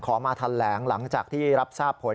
มาทันแหลงหลังจากที่รับทราบผล